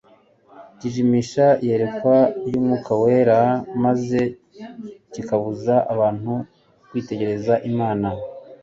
Cyijimisha iyerekwa ry'iby'Umwuka Wera, maze kikabuza abantu kwitegereza Imana.